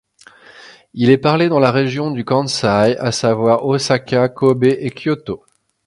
Il est parlé dans la région du Kansai, à savoir Ōsaka, Kōbe et Kyōto.